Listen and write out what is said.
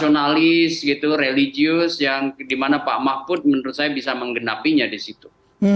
analis gitu religius yang dimana pak mahmud menurut saya bisa menggenapinya disitu